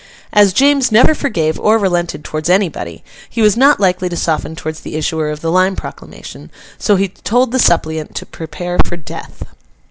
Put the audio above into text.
As James never forgave or relented towards anybody, he was not likely to soften towards the issuer of the Lyme proclamation, so he told the suppliant to prepare for death.